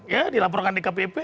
ya dilaporkan di kpp